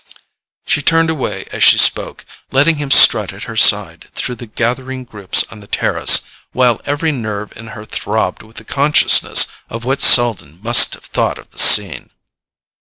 She turned away as she spoke, letting him strut at her side through the gathering groups on the terrace, while every nerve in her throbbed with the consciousness of what Selden must have thought of the scene.